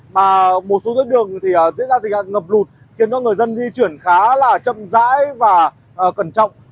mà một số tuyến đường thì diễn ra tình trạng ngập lụt khiến cho người dân di chuyển khá là chậm rãi và cẩn trọng